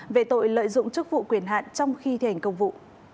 về tội lợi dụng chức vụ quyền hạn trong khi thi hành công vụ